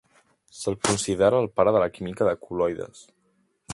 Se'l considera el pare de la química de col·loides.